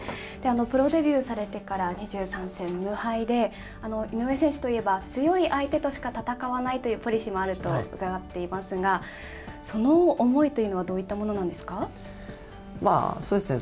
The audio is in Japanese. プロデビューされてから２３戦無敗で、井上選手といえば、強い相手としか戦わないというポリシーもあると伺っていますが、その思いというのは、どういったものなんですか。